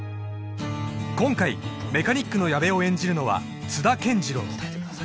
今回メカニックの矢部を演じるのは津田健次郎